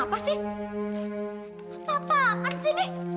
apa apaan sih ini